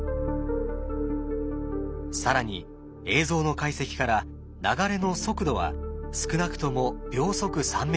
更に映像の解析から流れの速度は少なくとも秒速３ｍ。